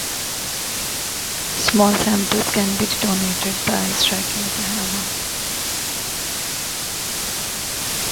Small samples can be detonated by striking with a hammer.